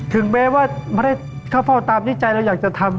ถึงแม้ว่าไม่ได้ข้าวเฝ้าตามที่ใจเราอยากจะทำ